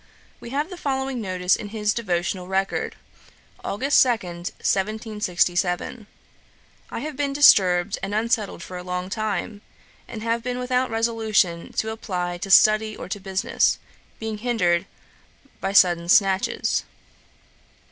We have the following notice in his devotional record: 'August 2, 1767. I have been disturbed and unsettled for a long time, and have been without resolution to apply to study or to business, being hindered by sudden snatches.'